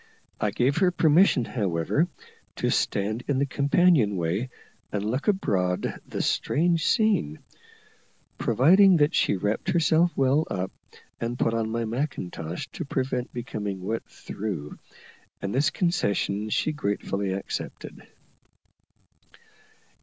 I gave her permission, however, to stand in the companion way and look abroad upon the strange scene, providing that she wrapped herself well up, and put on my macintosh to prevent becoming wet through, and this concession she gratefully accepted.